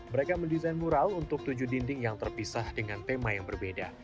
mereka mendesain mural untuk tujuh dinding yang terpisah dengan tema yang berbeda